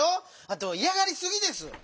あといやがりすぎです！